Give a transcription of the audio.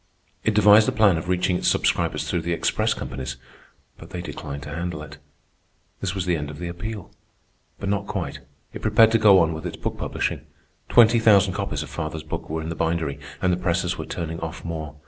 It devised a plan of reaching its subscribers through the express companies, but they declined to handle it. This was the end of the Appeal. But not quite. It prepared to go on with its book publishing. Twenty thousand copies of father's book were in the bindery, and the presses were turning off more.